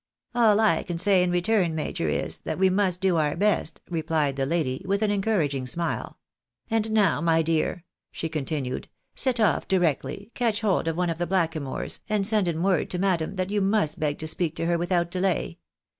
" All I can say in return, major, is, that we must do our best," re plied the lady, with an encouraging smile. " And now, my dear," she continued, "set off directly, catch hold of one of the blackymoors, and send in word to madam that you must beg to speak to her without delay.